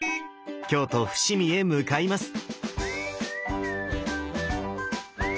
京都・伏見へ向かいます！